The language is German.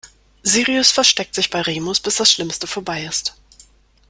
Sirius versteckt sich bei Remus, bis das Schlimmste vorbei ist.